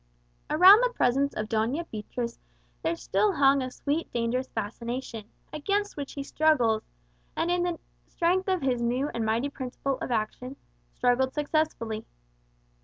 Around the presence of Doña Beatriz there still hung a sweet dangerous fascination, against which he struggled, and, in the strength of his new and mighty principle of action, struggled successfully.